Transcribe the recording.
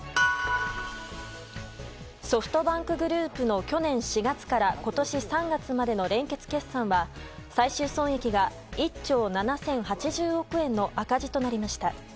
ソフトバンクグループの去年４月から今年３月までの連結決算は最終損益が１兆７０８０億円の赤字となりました。